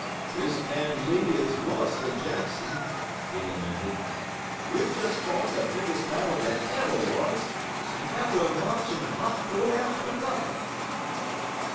"This man Lee is worse than Jackson," he lamented. "We've just fought the biggest battle that ever was, and now we're marching hot foot after another."